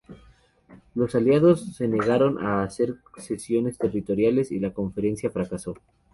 Los aliados se negaron a hacer cesiones territoriales y la conferencia fracasó.